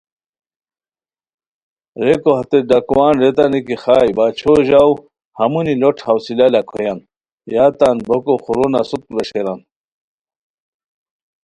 ریکو ہتے ڈاکوان ریتانی کی خائے باچھو ژاؤ ہمونی لوٹ حوصلہ لاکھویان، یا تان بوکو خورو نسوت ویݰیران